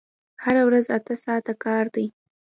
هره ورځ اته ساعته کار دی!